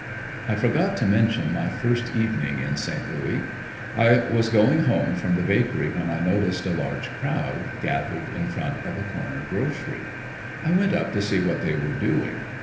I forgot to mention my first evening in Saint Louis. I was going home from the bakery when I noticed a large crowd gathered in front of a corner grocery; I went up to see what they were doing.